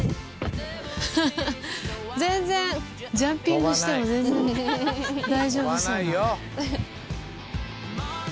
フフフ全然ジャンピングしても全然大丈夫そうな。